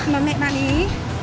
mà mẹ bà ấy